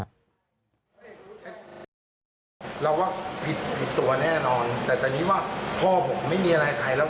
เราก็ผิดผิดตัวแน่นอนแต่ตอนนี้ว่าพ่อผมไม่มีอะไรใครแล้ว